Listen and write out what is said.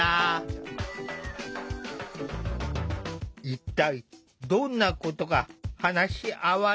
一体どんなことが話し合われるのか？